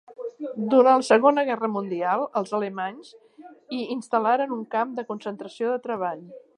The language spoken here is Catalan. Durant la Segona Guerra mundial, els alemanys hi instal·laren un camp de concentració de treball.